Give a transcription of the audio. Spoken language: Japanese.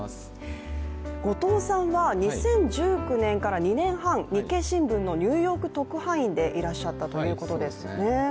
後藤さんは２０１９年から２年半、「日経新聞」のニューヨーク特派員でいらっしゃったんですよね。